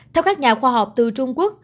theo các nhà khoa học từ trung quốc